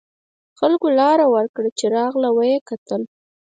خلکو لار ورکړه چې راغله و یې کتل.